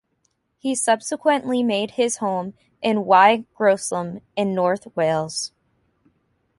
He subsequently made his home in Y Groeslon in North Wales.